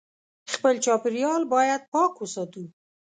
خپل چاپېریال باید پاک وساتو